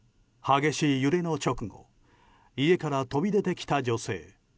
激しい揺れの直後家から飛び出てきた女性。